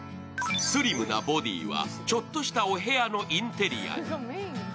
スリムなボディはちょっとしたお部屋のインテリアに。